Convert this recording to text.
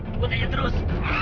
kebut aja terus